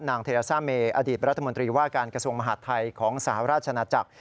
เทราซ่าเมอดีตรัฐมนตรีว่าการกระทรวงมหาดไทยของสหราชนาจักร